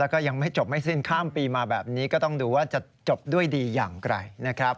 แล้วก็ยังไม่จบไม่สิ้นข้ามปีมาแบบนี้ก็ต้องดูว่าจะจบด้วยดีอย่างไกลนะครับ